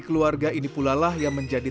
keluarga ini pula lah yang menjadi